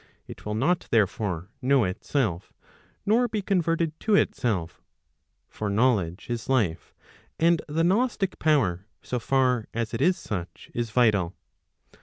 It will not therefore know itself, nor be converted to itself. For knowledge is life, and the gnostic power so far as it is such is vital.